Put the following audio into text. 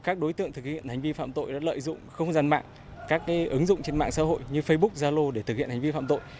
các đối tượng thực hiện hành vi phạm tội đã lợi dụng không gian mạng các ứng dụng trên mạng xã hội như facebook zalo để thực hiện hành vi phạm tội